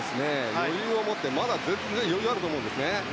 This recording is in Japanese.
余裕をもって、まだ全然余裕あると思うんですね。